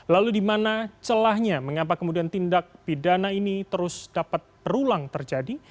lalu di mana celahnya mengapa kemudian tindak pidana ini terus dapat berulang terjadi